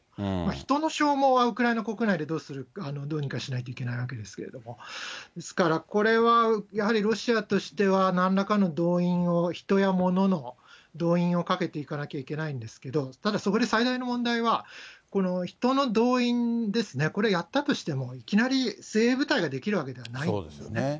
人の消耗はウクライナ国内でどうにかしないといけないわけですけれども、ですから、これは、やはりロシアとしては、なんらかの動員を、人やものの動員をかけていかなきゃいけないんですけど、ただそこで最大の問題は、人の動員ですね、これ、やったとしても、いきなり精鋭部隊が出来るわけではないんですよね。